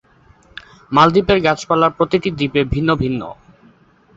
মালদ্বীপের গাছপালা প্রতিটি দ্বীপে ভিন্ন ভিন্ন।